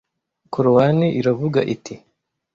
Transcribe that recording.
Korowani iravuga iti